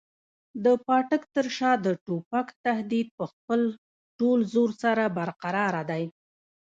د پاټک تر شا د توپک تهدید په خپل ټول زور سره برقراره دی.